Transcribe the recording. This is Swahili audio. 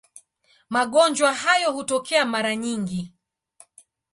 Magonjwa hayo hutokea mara nyingi.